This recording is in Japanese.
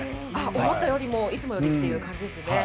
思ったよりもいつもよりって感じですよね。